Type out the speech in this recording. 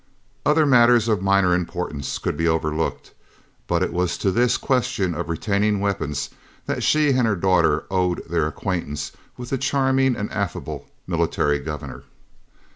Other matters, of minor importance, could be overlooked, but it was to this question of retaining weapons that she and her daughter owed their acquaintance with the charming and affable Military Governor.